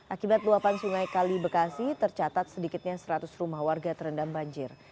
akibat luapan sungai kali bekasi tercatat sedikitnya seratus rumah warga terendam banjir